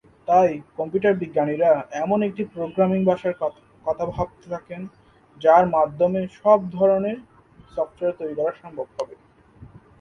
তাই কম্পিউটার বিজ্ঞানীরা এমন একটি প্রোগ্রামিং ভাষার কথা ভাবতে থাকেন যার মাধ্যমে সব ধরনের সফটওয়্যার তৈরি করা সম্ভব হবে।